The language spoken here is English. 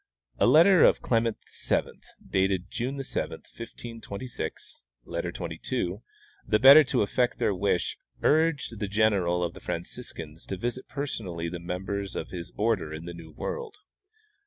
A letter of Clement VII, dated June 7, 1526 (letter 22), the better to effect their wish, urged the general of the Franciscans to visit personally the members of his order in the new world.